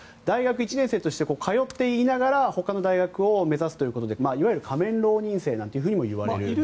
大学１年生として通っていながらほかの大学を目指すということでいわゆる仮面浪人生ともいわれる。